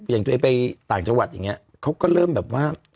อย่างตัวเองไปต่างจังหวัดอย่างนี้เขาก็เริ่มแบบว่า